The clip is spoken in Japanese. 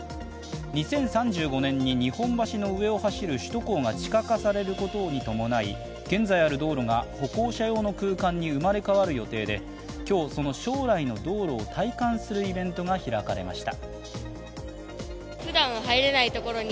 ２０３５年に日本橋の上を走る首都高が地下化されることに伴い現在ある道路が歩行者用の空間に生まれ変わる予定で今日その将来の道路を体感するイベントが開かれました。